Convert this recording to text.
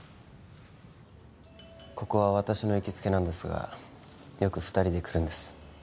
ここは私の行きつけなんですがよく二人で来るんです